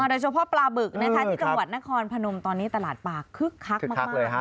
โดยเฉพาะปลาบึกที่จังหวัดนครพนมตอนนี้ตลาดปลาคึกคักมาก